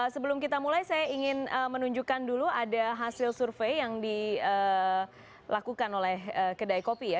sebelum kita mulai saya ingin menunjukkan dulu ada hasil survei yang dilakukan oleh kedai kopi ya